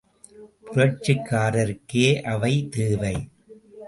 புரட்சிக்காரருக்கே அவை தேவை!